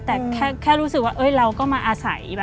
แต่แค่รู้สึกว่าเราก็มาอาศัย